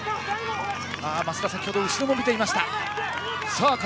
増田、先ほど後ろを見ていました。